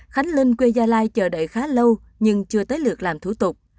khánh linh quê gia lai chờ đợi khá lâu nhưng chưa tới lượt làm thủ tục